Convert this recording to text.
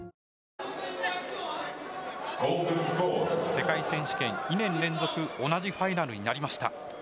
世界選手権２年連続同じファイナルになりました。